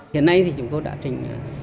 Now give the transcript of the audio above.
hiện nay thì chúng tôi đã trình